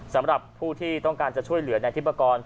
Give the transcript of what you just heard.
สำหรับผู้ที่ต้องการจะช่วยเหลือนายทิพกร